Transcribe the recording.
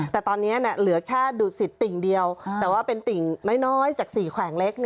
แต่ตอนนี้เหลือแค่ดูดสิทธิติ่งเดียวแต่ว่าเป็นติ่งน้อยจาก๔แขวงเล็ก